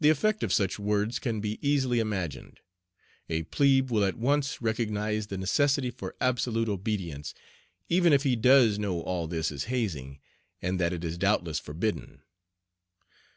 The effect of such words can be easily imagined. A "plebe" will at once recognize the necessity for absolute obedience, even if he does know all this is hazing, and that it is doubtless forbidden.